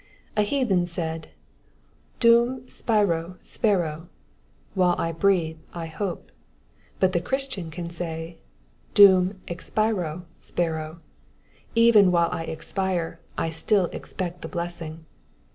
A heathen said, " dum spiro spero," while I breathe I hope; but the Christian can say, *^ dum expiro spero," even when I expire I still expect the blessing.